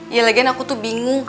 iya legend aku tuh bingung